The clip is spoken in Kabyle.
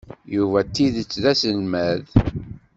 Yuba d tidet d aselmad?